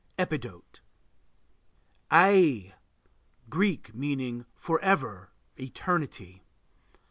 Epidote. AEI Greek, meaning "forever," "eternity."